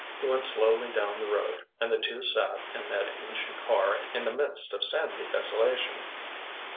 He went slowly down the road, and the two sat in that ancient car in the midst of sandy desolation.